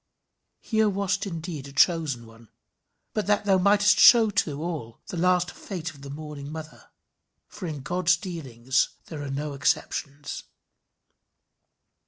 Thou wast indeed a chosen one, but that thou mightest show to all the last fate of the mourning mother; for in God's dealings there are no exceptions.